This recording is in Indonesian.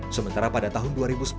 sementara pada tahun dua ribu sepuluh